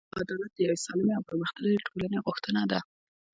انصاف او عدالت د یوې سالمې او پرمختللې ټولنې غوښتنه ده.